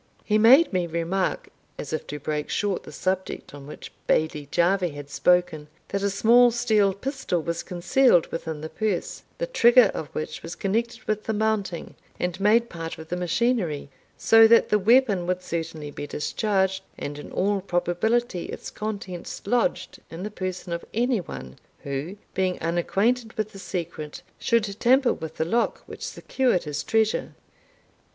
He made me remark, as if to break short the subject on which Bailie Jarvie had spoken, that a small steel pistol was concealed within the purse, the trigger of which was connected with the mounting, and made part of the machinery, so that the weapon would certainly be discharged, and in all probability its contents lodged in the person of any one, who, being unacquainted with the secret, should tamper with the lock which secured his treasure.